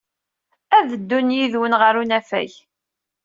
Ad ddun yid-wen ɣer unafag.